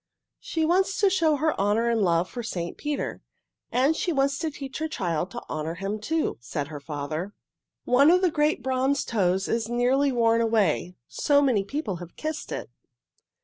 "She wants to show her honor and love for St. Peter. And she wants to teach her child to honor him, too," said her father. "One of the great bronze toes is nearly worn away, so many people have kissed it.